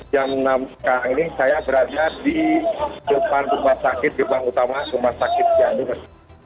yang sekarang ini saya berada di depan rumah sakit depan utama rumah sakit cianjur